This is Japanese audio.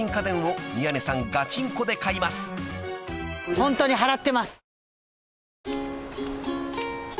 ホントに払ってます。